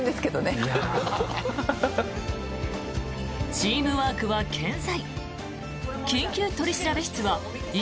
チームワークは健在！